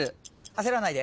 焦らないで。